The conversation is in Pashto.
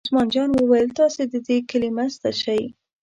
عثمان جان وویل: تاسې د دې کلي منځ ته شئ.